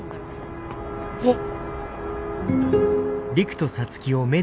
えっ。